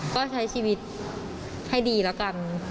ก็ใช้ชีวิตให้ดีแล้วกัน